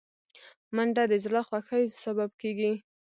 منډه د زړه خوښۍ سبب کېږي